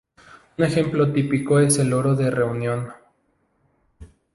Un ejemplo típico es el loro de Reunión.